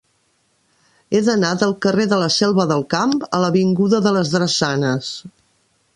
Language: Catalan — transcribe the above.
He d'anar del carrer de la Selva del Camp a l'avinguda de les Drassanes.